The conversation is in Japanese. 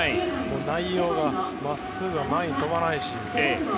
内容がまっすぐは前に飛ばないし。